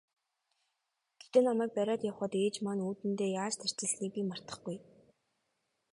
Гэхдээ намайг бариад явахад ээж маань үүдэндээ яаж тарчилсныг би мартахгүй.